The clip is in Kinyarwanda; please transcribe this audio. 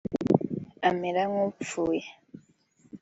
amera nk’upfuye